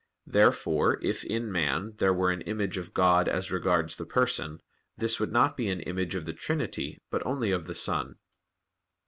Therefore, if in man there were an image of God as regards the Person, this would not be an image of the Trinity, but only of the Son.